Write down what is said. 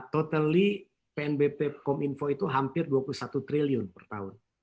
totally pnbp kominfo itu hampir dua puluh satu triliun per tahun